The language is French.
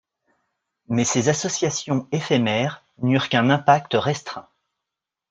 Mais ces associations éphémères n'eurent qu'un impact restreint.